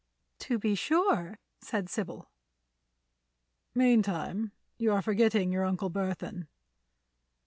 "To be sure," said Sybil. "Meantime, you are forgetting your Uncle Burthon."